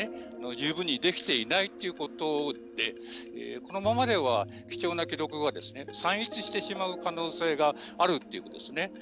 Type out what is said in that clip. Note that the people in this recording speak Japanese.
十分にできていないということでこのままでは、貴重な記録が散逸してしまう可能性があるということですね。